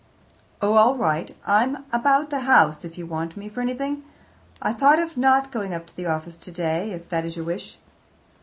"Oh, all right; I'm about the house if you want me for anything. I thought of not going up to the office today, if that is your wish."